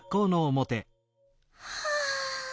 はあ。